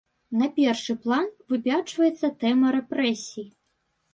На першы план выпячваецца тэма рэпрэсій.